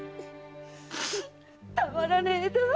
たまらねえだ！